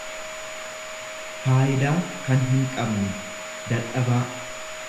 faayidaa'kan hinqabne, dadhabaa.